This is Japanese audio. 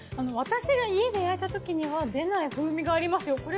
私が家で焼いたときには出ない風味がありますよ。